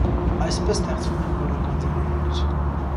Այսպես ստեղծվում են բառագանձարաններ։